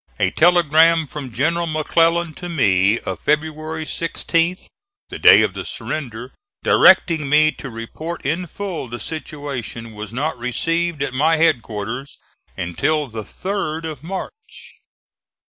A telegram from General McClellan to me of February 16th, the day of the surrender, directing me to report in full the situation, was not received at my headquarters until the 3d of March.